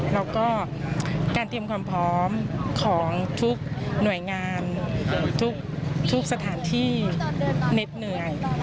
แล้วก็การเตรียมความพร้อมของทุกหน่วยงานทุกสถานที่เหน็ดเหนื่อย